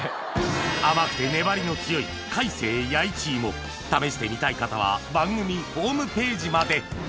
甘くて粘りの強い試してみたい方は番組ホームページまで・